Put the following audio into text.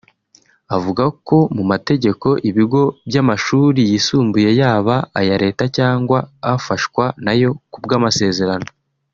Avuga ko mu mategeko ibigo by’amashuri yisumbuye yaba aya Leta cyangwa afashwa nayo ku bw’amasezerano